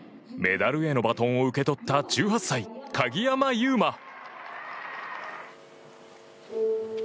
メダルへのバトンを受け取った１８歳、鍵山優真。